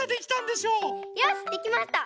できました。